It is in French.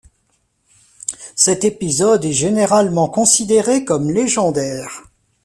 Cet épisode est généralement considéré comme légendaire.